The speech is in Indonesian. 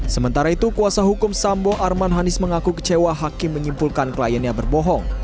sementara itu kuasa hukum sambo arman hanis mengaku kecewa hakim menyimpulkan kliennya berbohong